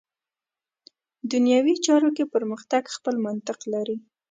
دنیوي چارو کې پرمختګ خپل منطق لري.